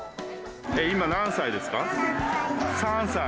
今何歳ですか？